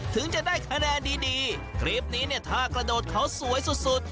ถึงจะได้คะแนนดีดีคลิปนี้เนี่ยถ้ากระโดดเขาสวยสุดสุด